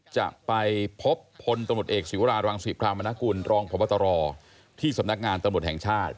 จะไปพบพลตำรวจเอกศิวรารังศิพรามนกุลรองพบตรที่สำนักงานตำรวจแห่งชาติ